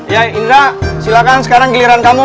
ya indra silahkan sekarang giliran kamu